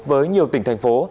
với nhiều tỉnh thành phố